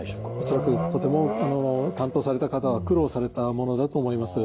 恐らくとても担当された方は苦労されたものだと思います。